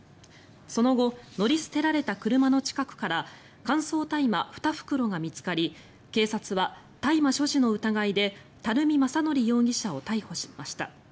その後乗り捨てられた車の近くから乾燥大麻２袋が見つかり警察は大麻所持の疑いで樽見昌憲容疑者を逮捕しました。